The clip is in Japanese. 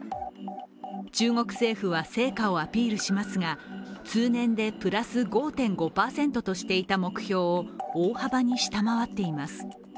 中国政府は成果をアピールしますが通年でプラス５．５％としていた目標を大幅に下回っています。